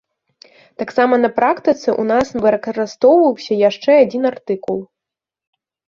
Таксама на практыцы ў нас выкарыстоўваўся яшчэ адзін артыкул.